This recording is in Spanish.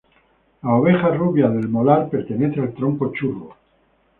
La oveja Rubia del Molar pertenece al tronco Churro.